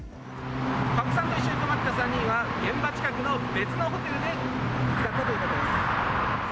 加古さんと一緒に泊まった３人は、現場近くの別のホテルで見つかったということです。